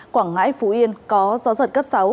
quảng ngãi phú yên có gió giật cấp sáu